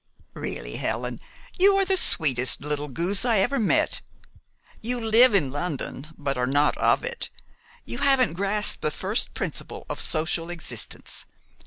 Really, Helen, you are the sweetest little goose I ever met. You live in London, but are not of it. You haven't grasped the first principle of social existence.